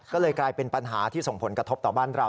ก็เลยกลายเป็นปัญหาที่ส่งผลกระทบต่อบ้านเรา